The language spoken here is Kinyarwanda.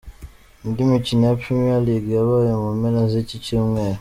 Indi mikino ya Premier League yabaye mu mpera z’iki cyumweru:.